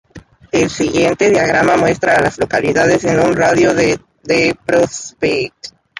El siguiente diagrama muestra a las localidades en un radio de de Prospect.